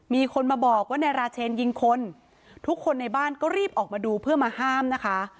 มีคนมาบอกว่านายราเชนยิงคนทุกคนในบ้านก็รีบออกมาดูเพื่อมาห้ามนะคะ